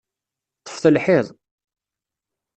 Ṭṭfet lḥiḍ!